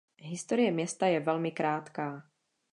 Historie města je velmi krátká.